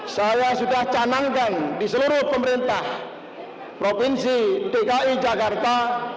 saya sudah canangkan di seluruh pemerintah provinsi dki jakarta